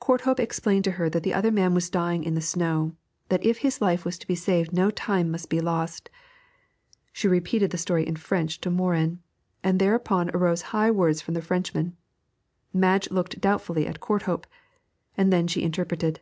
Courthope explained to her that the other man was dying in the snow, that if his life was to be saved no time must be lost. She repeated the story in French to Morin, and thereupon arose high words from the Frenchman. Madge looked doubtfully at Courthope, and then she interpreted.